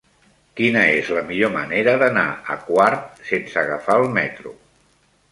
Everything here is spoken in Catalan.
Quina és la millor manera d'anar a Quart sense agafar el metro?